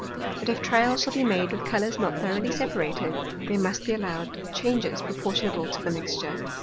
But if trial shall be made with Colours not throughly separated, there must be allowed changes proportionable to the mixture.